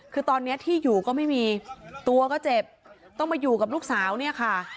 คือตอนนี้ที่อยู่ก็ไม่มีตัวก็เจ็บต้องมาอยู่กับลูกสาวเนี่ยค่ะ